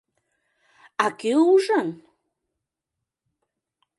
А кӧ ужын?..